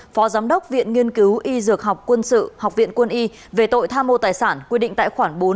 phó giám đốc viện nghiên cứu y dược học quân sự học viện quân y về tội tham mô tài sản quy định tại khoản bốn